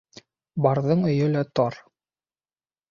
Барҙың өйө лә тар.